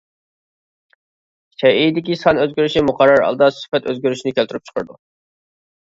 شەيئىدىكى سان ئۆزگىرىشى مۇقەررەر ھالدا سۈپەت ئۆزگىرىشىنى كەلتۈرۈپ چىقىرىدۇ.